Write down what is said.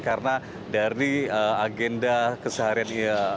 karena dari agenda kesehariannya